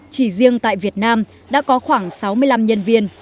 chỉ riêng tại việt nam đã có khoảng sáu mươi năm nhân viên